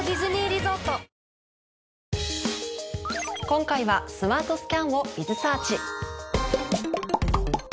今回はスマートスキャンを。